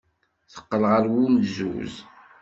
Teqqel ɣer wulzuz.